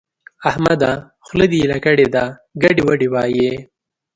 احمده! خوله دې ايله کړې ده؛ ګډې وډې وايې.